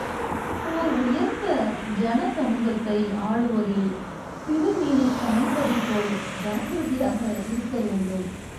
ஓர் உயர்ந்த ஜனசமூகத்தை ஆளுவதில் சிறுமீனைக் சமைப்பதைப் போல் ஜாக்கிரதையாக இருக்கவேண்டும்.